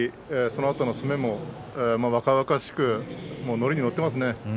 そのあとの攻めも若々しくて乗りに乗っていますね。